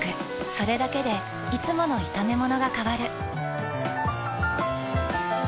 それだけでいつもの炒めものが変わる。